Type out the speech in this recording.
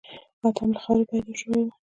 ادم له خاورې پيدا شوی و.